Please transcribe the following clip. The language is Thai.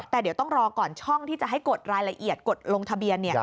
แต่เดี๋ยวต้องรอก่อนช่องที่จะให้กดรายละเอียดกดลงทะเบียน